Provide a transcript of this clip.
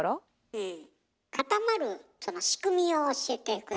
うん。